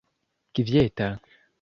kvieta